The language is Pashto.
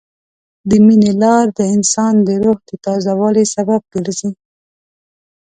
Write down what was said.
د مینې لار د انسان د روح د تازه والي سبب ګرځي.